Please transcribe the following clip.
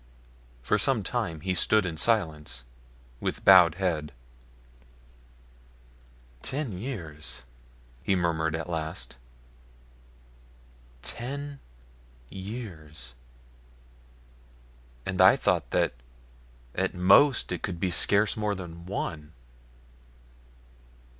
For some time he stood in silence, with bowed head. "Ten years!" he murmured, at last. "Ten years, and I thought that at the most it could be scarce more than one!"